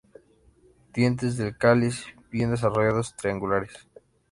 Dientes del cáliz bien desarrollados, triangulares.